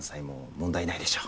問題ないでしょう